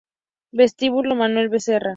Vestíbulo Manuel Becerra